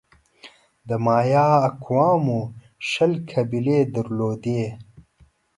د مایا اقوامو شل قبیلې درلودې.